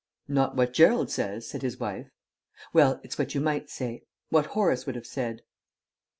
"Not what Gerald says," said his wife. "Well, it's what you might say. What Horace would have said."